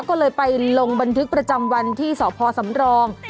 ก็เลยไปลงบันทึกประจำวันที่สพสำรอง